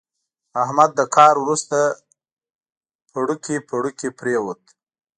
احمد له کار ورسته پړوکی پړوکی پرېوت.